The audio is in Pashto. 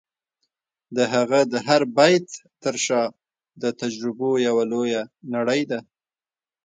د هغه د هر بیت تر شا د تجربو یوه لویه نړۍ ده.